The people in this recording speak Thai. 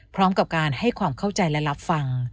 พร้อมกับการให้ความเข้าใจและรับฟัง